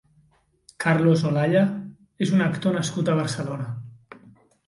Carlos Olalla és un actor nascut a Barcelona.